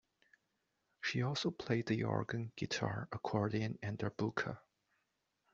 She also played the organ, guitar, accordion, and darbuka.